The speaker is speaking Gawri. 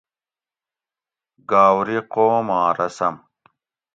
گاؤری قوم آں رسم